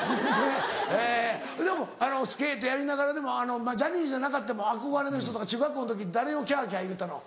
えスケートやりながらでもジャニーズじゃなかっても憧れの人とか中学校の時誰をきゃきゃいうたの？